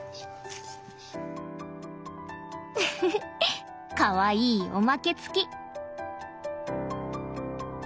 ウッフフかわいいおまけ付き！